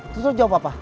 tuh lo jawab apa